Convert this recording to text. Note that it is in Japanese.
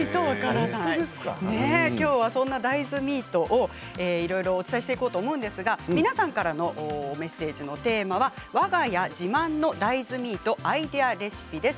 きょうはそんな大豆ミートをお伝えしていこうと思うんですが皆さんからのメッセージのテーマはわが家自慢の大豆ミートアイデアレシピです。